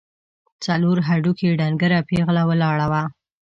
څلور هډوکي، ډنګره پېغله ولاړه وه.